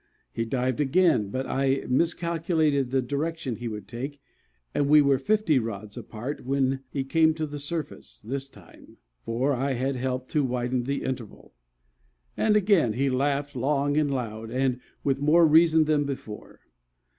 He dived again, but I miscalculated the direction he would take, and we were fifty rods apart when he came to surface this time, for I had helped to widen the interval; and again he laughed long and loud, and with more reason than before.